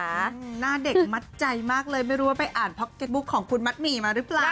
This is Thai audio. หน้าเด็กมัดใจมากเลยไม่รู้ว่าไปอ่านเพราะเก็ตบุ๊กของคุณมัดหมี่มาหรือเปล่า